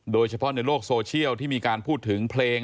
โดยเฉพาะในโลกโซเชียลที่มีการพูดถึงเพลง